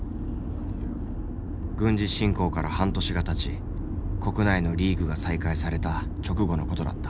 軍事侵攻から半年がたち国内のリーグが再開された直後のことだった。